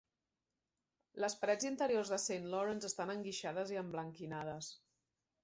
Les parets interiors de St Lawrence estan enguixades i emblanquinades.